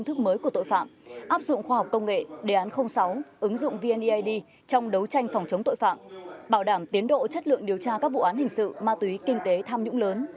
áp dụng khoa học công nghệ đề án sáu ứng dụng vneid trong đấu tranh phòng chống tội phạm bảo đảm tiến độ chất lượng điều tra các vụ án hình sự ma túy kinh tế tham nhũng lớn